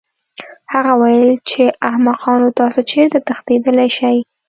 هغه وویل چې احمقانو تاسو چېرته تښتېدلی شئ